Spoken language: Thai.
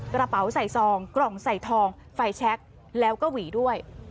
กระเป๋าใส่ซองกล่องใส่ทองไฟแชคแล้วก็หวีด้วย